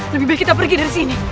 lebih baik kita pergi dari sini